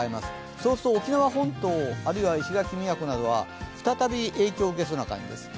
そうすると沖縄本島、あるいは石垣宮古などは再び影響を受けそうな感じです。